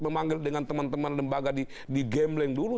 memanggil dengan teman teman lembaga di gembleng dulu